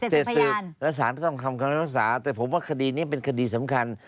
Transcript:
เสร็จสืบแล้วสารก็ต้องคำรักษาแต่ผมว่าคดีนี้เป็นคดีสำคัญ